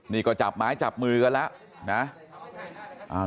นี่ก็จับไม้จับมือกันแล้วนะ